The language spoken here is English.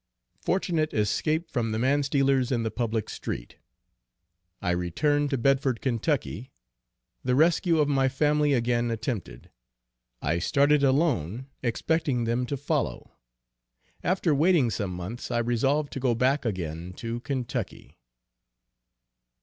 Fortunate escape from the man stealers in the public street. I return to Bedford, Ky. The rescue of my family again attempted. I started alone expecting them to follow. After waiting some months I resolve to go back again to Kentucky.